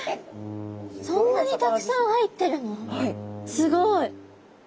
すごい。